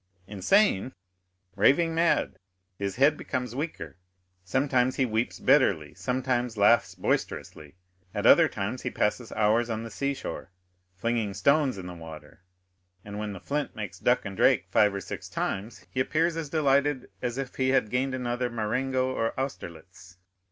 "Insane?" "Raving mad; his head becomes weaker. Sometimes he weeps bitterly, sometimes laughs boisterously, at other time he passes hours on the seashore, flinging stones in the water and when the flint makes 'duck and drake' five or six times, he appears as delighted as if he had gained another Marengo or Austerlitz.